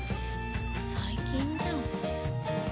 最近じゃん。